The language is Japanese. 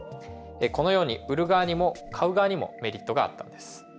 このように売る側にも買う側にもメリットがあったんです。